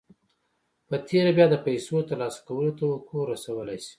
په تېره بیا د پیسو ترلاسه کولو توقع رسولای شئ